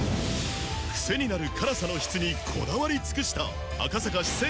クセになる辛さの質にこだわり尽くした赤坂四川